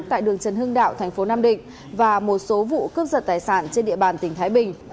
tại đường trần hưng đạo thành phố nam định và một số vụ cướp giật tài sản trên địa bàn tỉnh thái bình